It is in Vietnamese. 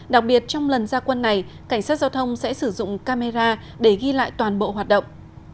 đặc biệt trong lần gia quân này cảnh sát giao thông sẽ sử dụng camera để ghi lại toàn bộ hoạt động